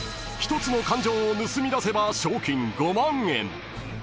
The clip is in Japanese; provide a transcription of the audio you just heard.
［１つの感情を盗み出せば賞金５万円］